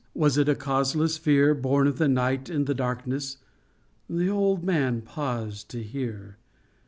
was it a cause less fear Born of the night and the darkness ? The old man paused to hear.